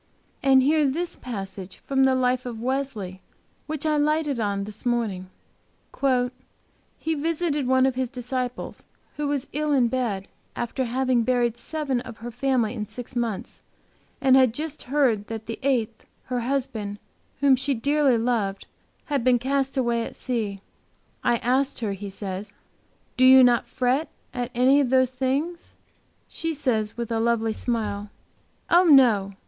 And hear this passage from the life of Wesley, which I lighted on this morning: "He visited one of his disciples, who was ill in bed and after having buried seven of her family in six months, had just heard that the eighth, her husband, whom she dearly loved, had been cast away at sea. 'I asked her,' he says, 'do you not fret at any of those things?' She says, with a lovely smile, 'Oh, no!